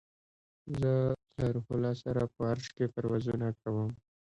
زه له روح الله سره په عرش کې پروازونه کوم